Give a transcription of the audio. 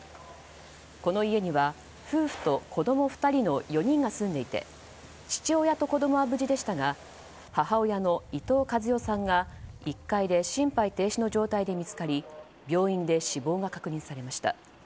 この家には夫婦と子供２人の４人が住んでいて父親と子供は無事でしたが母親の伊藤和代さんが１階で心肺停止の状態で見つかり病院で死亡が確認されました。